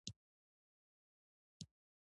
ځمکه د افغانستان د بڼوالۍ یوه ډېره مهمه برخه ده.